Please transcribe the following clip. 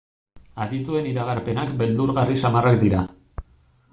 Adituen iragarpenak beldurgarri samarrak dira.